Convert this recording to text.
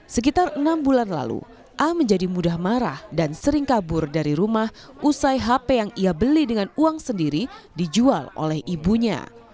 sekitar enam bulan lalu a menjadi mudah marah dan sering kabur dari rumah usai hp yang ia beli dengan uang sendiri dijual oleh ibunya